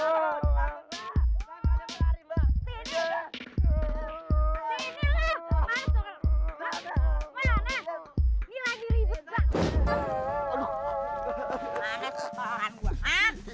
adanya segitu doang mbak